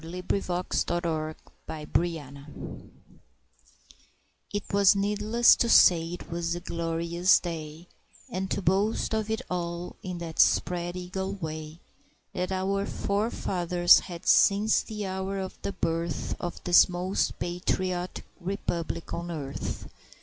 McFeeters' Fourth It was needless to say 'twas a glorious day, And to boast of it all in that spread eagle way That our forefathers had since the hour of the birth Of this most patriotic republic on earth!